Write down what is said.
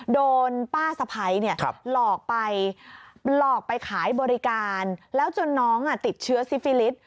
โดนป้าสะพ้ายหลอกไปหลอกไปขายบริการแล้วจนน้องติดเชื้อซิฟิลิส